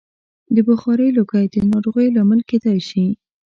د بخارۍ لوګی د ناروغیو لامل کېدای شي.